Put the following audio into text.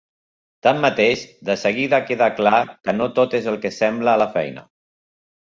Tanmateix, de seguida queda clar que no tot és el que sembla a la feina.